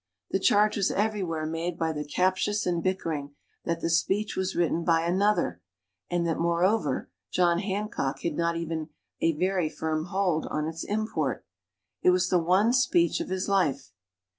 The charge was everywhere made by the captious and bickering that the speech was written by another, and that, moreover, John Hancock had not even a very firm hold on its import. It was the one speech of his life.